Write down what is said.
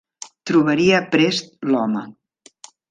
Trobaria prest l'home.